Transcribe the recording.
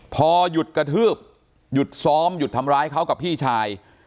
พอหยุดกระทืบหยุดซ้อมหยุดทำร้ายเขากับพี่ชาย